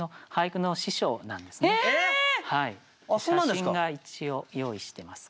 写真が一応用意してますか。